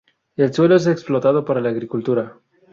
El suelo es explotado para la agricultura.